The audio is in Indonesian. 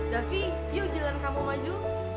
davi yuk jalan kamu maju